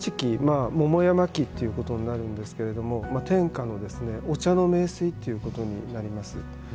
これも室町期、桃山期ということになるんですけれども天下のお茶の名水ということになります。